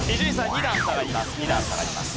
２段下がります。